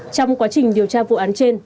trong quá trình điều tra vụ án trên